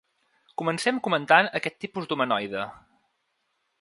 Comencem comentant aquest tipus d’humanoide.